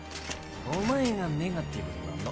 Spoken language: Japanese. お前がネガティブなの。